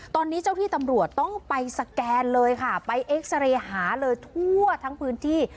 ตอนนี้เจ้าที่ตำรวจต้องไปสแกนเลยค่ะไปเอ็กซาเรย์หาเลยทั่วทั้งพื้นที่